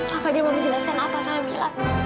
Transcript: kak fadil mau menjelaskan apa sama mila